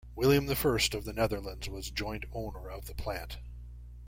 William I of the Netherlands was joint owner of the plant.